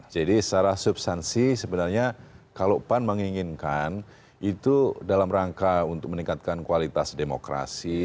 jadi secara substansi sebenarnya kalau pan menginginkan itu dalam rangka untuk meningkatkan kualitas demokrasi